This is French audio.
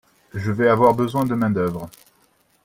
Je vais avoir besoin de main-d’œuvre.